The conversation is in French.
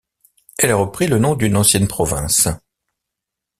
Elle a repris le nom d'une ancienne province.